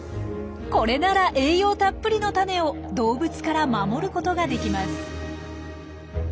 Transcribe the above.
これなら栄養たっぷりのタネを動物から守ることができます。